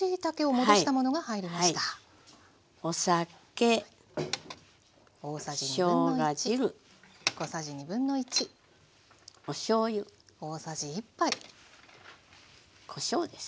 お酒しょうが汁おしょうゆこしょうです。